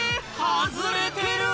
外れてる！